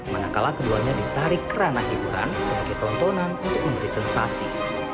manakala keduanya ditarik kerana hiburan sebagai tontonan untuk memberi sensasi